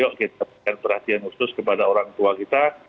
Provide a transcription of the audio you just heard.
ayo kita perhatikan khusus kepada orang tua kita